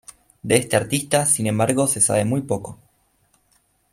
De este artista, sin embargo, se sabe muy poco.